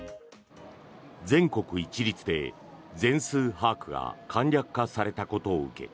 全国一律で、全数把握が簡略化されたことを受け